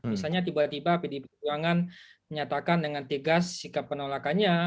misalnya tiba tiba pdi perjuangan menyatakan dengan tegas sikap penolakannya